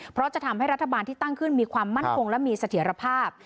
เพราะจะทำให้รัฐบาลที่ตั้งขึ้นมีความมั่นคงและมีเสถียรภาพ